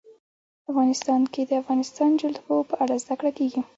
افغانستان کې د د افغانستان جلکو په اړه زده کړه کېږي.